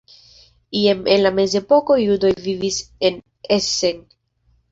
Jam en la mezepoko judoj vivis en Essen.